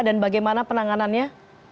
dan bagaimana penanganannya